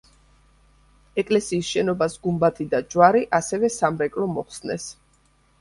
ეკლესიის შენობას გუმბათი და ჯვარი, ასევე სამრეკლო მოხსნეს.